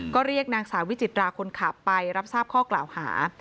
ก็เรียกนางสาววิจิตราคนขับไปรับทราบข้อกล่าวหา